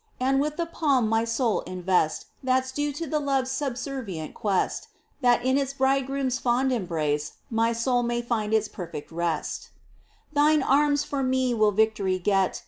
And with the palm my soul invest That's due to love's subservient quest, That in its Bridegroom's fond embrace My soul may find its perfect rest ! 22 MINOR WORKS OF ST. TERESA. Thine arms for me will vic'try get.